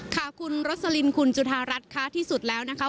ค่ะคุณรสลินคุณจุธารัฐค่ะที่สุดแล้วนะคะ